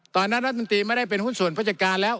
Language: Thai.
ตอนนั้นรัฐมนตรีไม่ได้เป็นหุ้นส่วนราชการแล้ว